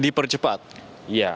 ada percepatan satu hal